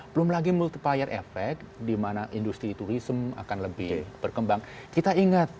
belum lagi multiplier effect di mana industri turisme akan lebih berkembang kita ingat